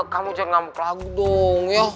kamu jangan ngambuk lagu dong ya